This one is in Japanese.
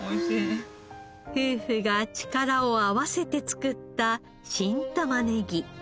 夫婦が力を合わせて作った新玉ねぎ。